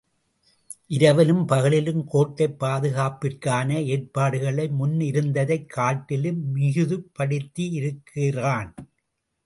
இரவிலும் பகலிலும் கோட்டைப் பாதுகாப்பிற்கான ஏற்பாடுகளை முன்னிருந்ததைக் காட்டிலும் மிகுதிப்படுத்தியிருக்கிறான்.